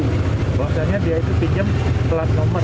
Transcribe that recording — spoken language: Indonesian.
bahwasannya dia itu pinjam plat nomor